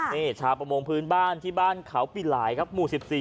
นี่ชาวประมงพื้นบ้านที่บ้านเขาปีหลายครับหมู่๑๔